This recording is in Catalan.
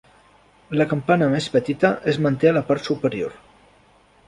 La campana més petita es manté a la part superior.